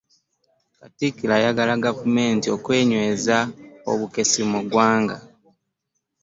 Katikkiro ayagala gavumenti okunyweza obukessi mu ggwanga.